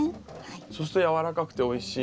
そうすると軟らかくておいしい。